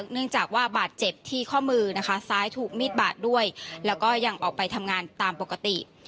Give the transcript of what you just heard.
เนื่องจากว่าบาดเจ็บที่ข้อมือนะคะซ้ายถูกมีดบาดด้วยแล้วก็ยังออกไปทำงานตามปกติ